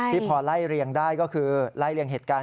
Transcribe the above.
พอไล่เรียงได้ก็คือไล่เรียงเหตุการณ์